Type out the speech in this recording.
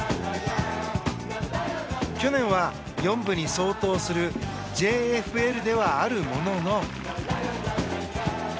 去年は４部に相当するＪＦＬではあるものの。